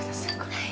はい。